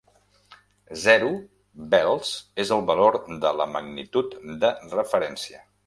Zero bels és el valor de la magnitud de referència.